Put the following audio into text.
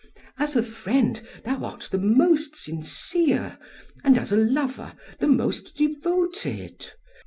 As a friend thou art the most sincere, and as a lover the most devoted.